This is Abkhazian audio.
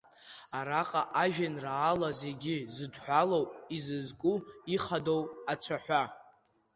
Араҟа ажәеинраала зегь зыдҳәалоу, изызку, ихадоу ацәаҳәа…